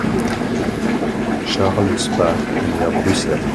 Charles Spaak est né à Bruxelles.